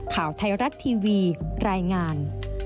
ข่าวไทยรัฐทีวีรายงาน